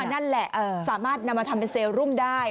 นั่นแหละสามารถนำมาทำเป็นเซลุ่มได้